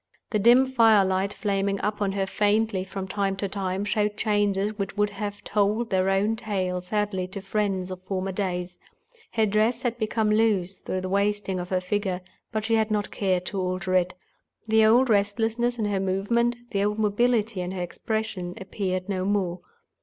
The dim fire light flaming up on her faintly from time to time showed changes which would have told their own tale sadly to friends of former days. Her dress had become loose through the wasting of her figure; but she had not cared to alter it. The old restlessness in her movements, the old mobility in her expression, appeared no more.